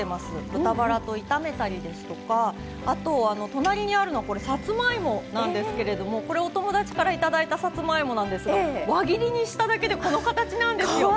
豚バラと炒めたりですとかあと隣にあるのこれさつまいもなんですけれどもこれお友達からいただいたさつまいもなんですが輪切りにしただけでこの形なんですよ。